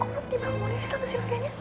kok gue ngga bangundevelop tante sylvia nya